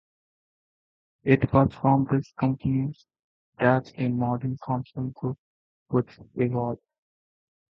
It was from this company, that the modern Thomson Group would evolve.